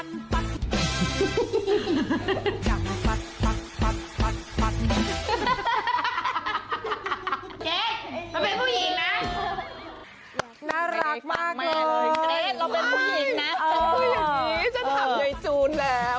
คุยอย่างนี้ฉันถามยายจูนแล้ว